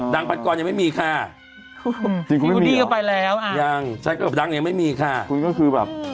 ดังปัดกรณ์ยังไม่มีค่ะอยู่ดีกว่าไปแล้วอะยังฉันก็ดังยังไม่มีค่ะคุณก็คือแบบ